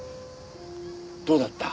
どうだった？